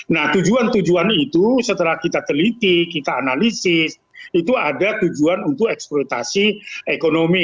nah tujuan tujuan itu setelah kita teliti kita analisis itu ada tujuan untuk eksploitasi ekonomi